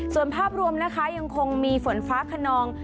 ส่วนภาพรวมนะคะยังคงมีฝนฟ้าขนอง